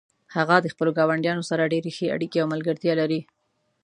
هغه د خپلو ګاونډیانو سره ډیرې ښې اړیکې او ملګرتیا لري